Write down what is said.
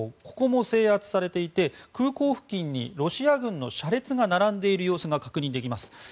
ここも制圧されていて空港付近にロシア軍の車列が並んでいる様子が確認できます。